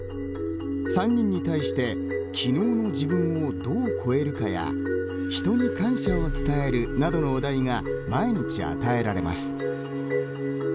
３人に対して「昨日の自分をどう超えるか」や「人に感謝を伝える」などのお題が毎日、与えられます。